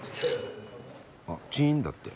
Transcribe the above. あっチーンだって。